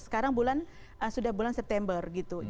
sekarang bulan sudah bulan september gitu